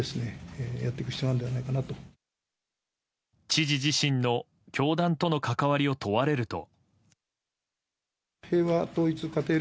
知事自身の教団との関わりを問われると。